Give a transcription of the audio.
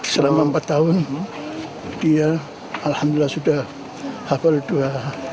selama empat tahun dia alhamdulillah sudah hafal dua